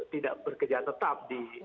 tidak bekerja tetap